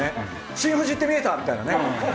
新富士って見えた！みたいなね。